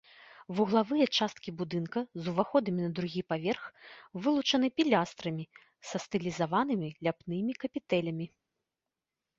Вуглавыя часткі будынка з уваходамі на другі паверх вылучаны пілястрамі са стылізаванымі ляпнымі капітэлямі.